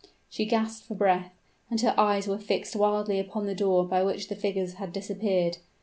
She gasped for breath, and her eyes were fixed wildly upon the door by which the figures had disappeared.